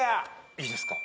いいですか？